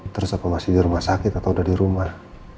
terus aku masih di rumah sakit atau udah di rumah